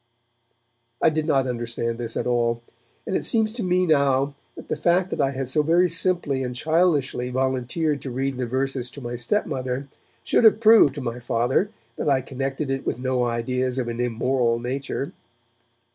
I did not understand this at all, and it seems to me now that the fact that I had so very simply and childishly volunteered to read the verses to my stepmother should have proved to my Father that I connected it with no ideas of an immoral nature.